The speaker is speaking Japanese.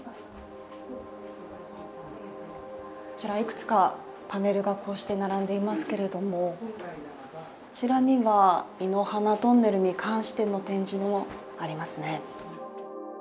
こちらいくつか、パネルがこうして並んでいますけれどもこちらには湯の花トンネルに関しての展示もありますね。